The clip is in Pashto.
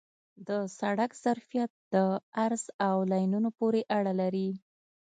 د سړک ظرفیت د عرض او لینونو پورې اړه لري